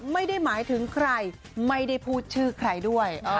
ไม่ได้หมายถึงใครไม่ได้พูดชื่อใครด้วย